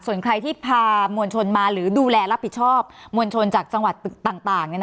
ส่วนใครที่พามวลชนมาหรือดูแลรับผิดชอบมวลชนจากจังหวัดต่าง